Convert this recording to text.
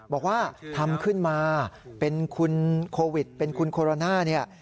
บอกว่าทำขึ้นมาเป็นคุณโควิดเป็นคุณโคโรนาเนี่ย